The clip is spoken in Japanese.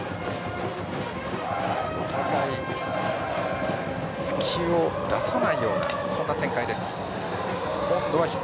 お互い隙を出さないようなそんな展開です。